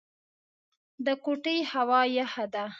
د کوټې هوا يخه ده.